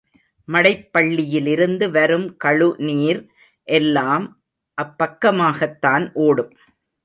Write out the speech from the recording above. மடைப் பள்ளியிலிருந்து வரும் கழுநீர் எல்லாம் அப்பக்கமாகத்தான் ஓடும்.